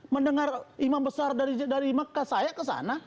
mendengar imam besar dari makassaya kesana